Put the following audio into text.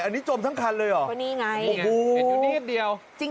อันนี้จมทั้งคันเลยหรอ